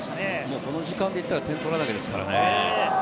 この時間になったら、点を取らなきゃですからね。